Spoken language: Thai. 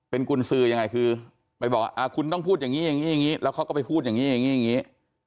เป็นกุญสือยังไงคือไปบอกคุณต้องพูดอย่างนี้อย่างนี้แล้วเขาก็ไปพูดอย่างนี้อย่างนี้อย่างนี้